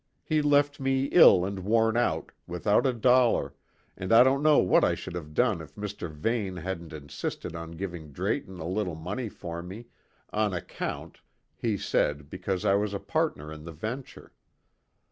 He left me ill and worn out, without a dollar, and I don't know what I should have done if Mr. Vane hadn't insisted on giving Drayton a little money for me, on account, he said, because I was a partner in the venture.